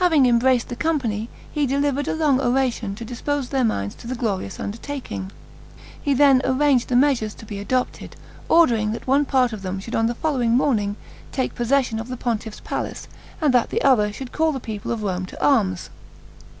Having embraced the company, he delivered a long oration to dispose their minds to the glorious undertaking. He then arranged the measures to be adopted, ordering that one part of them should, on the following morning, take possession of the pontiff's palace, and that the other should call the people of Rome to arms.